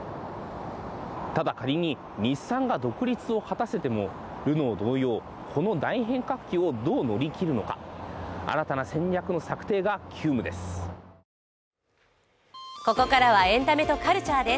ただ、仮に日産が独立を果たせてもルノー同様この大変革期をどう乗り切るのか新たな戦略の策定が急務です。